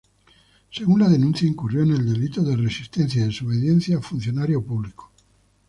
Según la denuncia, incurrió en el delito de "resistencia y desobediencia a funcionario público".